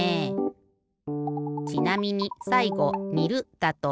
ちなみにさいごにるだと。